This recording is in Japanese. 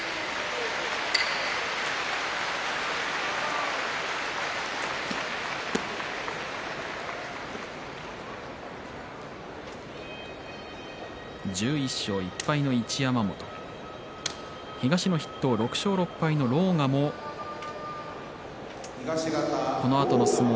拍手１１勝１敗の一山本東の筆頭、６勝６敗の狼雅もこのあとの相撲